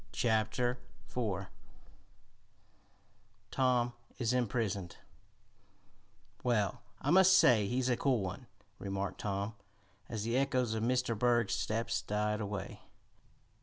Chapter Four Tom is Imprisoned "Well, I must say he's a cool one," remarked Tom, as the echoes of Mr. Berg's steps died away.